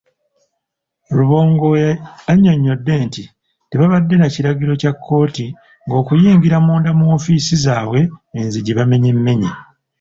Rubongoya annyonnyodde nti tebabadde nakiragiro kya kkooti ng'okuyingira munda mu woofiisi zaabwe enzigi bamenyemmenye.